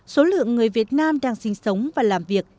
số lượng người việt nam đang sinh sống và làm việc